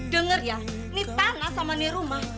dengar ya ini tanah sama nih rumah